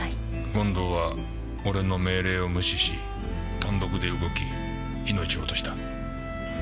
権藤は俺の命令を無視し単独で動き命を落とした。